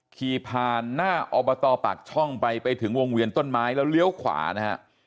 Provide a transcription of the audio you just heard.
ขี่ผ่านหน้าอบตปากช่องไปไปถึงวงเวียนต้นไม้แล้วเลี้ยวขวานะฮะ